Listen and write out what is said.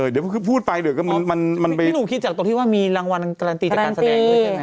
เดี๋ยวพูดไปเดี๋ยวก็มันมันมันไปนี่หนูคิดจากตัวที่ว่ามีรางวัลการันตีจากการแสดง